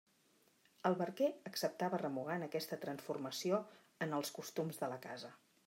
El barquer acceptava remugant aquesta transformació en els costums de la casa.